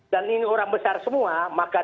dan ini orang besar semua maka